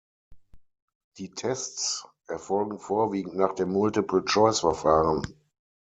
Die Tests erfolgen vorwiegend nach dem Multiple-Choice-Verfahren.